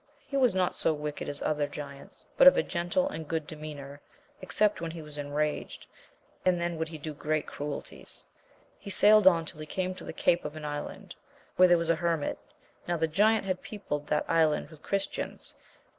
He was not so wicked as other giants, but of a gentle and good demeanour, except when he was enraged, and then would he do great cruelties. He sailed on till he came to the cape of an island, where there was a hermit : now the giant had peopled that island with Christians^ ancj.